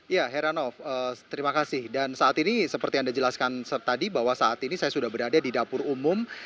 ya heranov terima kasih dan saat ini seperti anda jelaskan tadi bahwa saat ini saya sudah berada di dapur umum